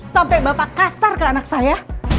sampai bapak kasar ke anak saya